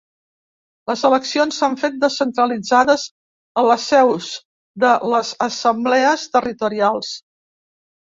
Les eleccions s’han fet descentralitzades, a les seus de les assemblees territorials.